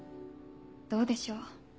どうでしょう？